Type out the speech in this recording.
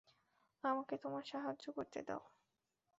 আমাকে তোমার সাহায্য করতে দাও।